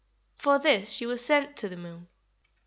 For this she was sent to the moon.